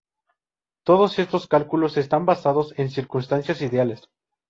Todos estos cálculos están basados en circunstancias ideales.